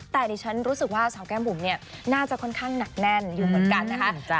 แต่ดิฉันรู้สึกว่าสาวแก้มบุ๋มเนี่ยน่าจะค่อนข้างหนักแน่นอยู่เหมือนกันนะคะ